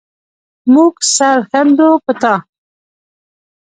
مونږ سر ښندو په تا